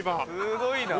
「すごいな」